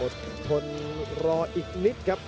ทนรออีกนิดครับ